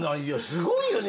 すごいよね。